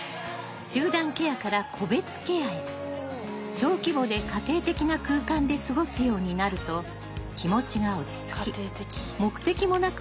小規模で家庭的な空間で過ごすようになると気持ちが落ち着き目的もなく